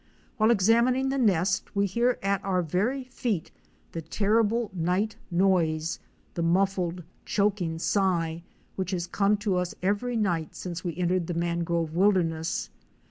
While examining the nest we hear at our very feet the terrible night noise — the muffled choking sigh which has come to us every night since we entered the mangrove wilder ness.